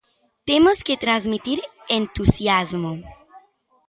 Temos que transmitir entusiasmo.